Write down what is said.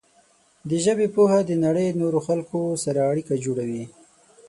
د ژبې پوهه د نړۍ د نورو خلکو سره اړیکه جوړوي.